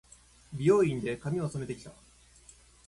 美容院で、髪を染めて来た。